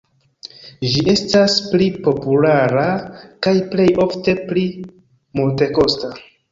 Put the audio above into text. Ĝi estas pli populara kaj plej ofte pli multekosta.